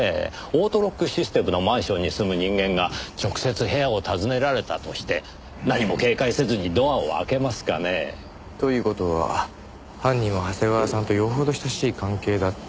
オートロックシステムのマンションに住む人間が直接部屋を訪ねられたとして何も警戒せずにドアを開けますかね？という事は犯人は長谷川さんとよほど親しい関係だった。